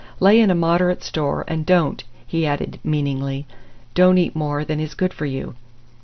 "Lay in a moderate store, and don't," he added meaningly, "don't eat more than is good for you."